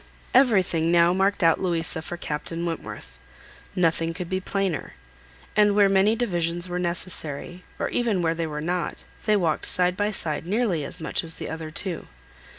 Everything now marked out Louisa for Captain Wentworth; nothing could be plainer; and where many divisions were necessary, or even where they were not, they walked side by side nearly as much as the other two.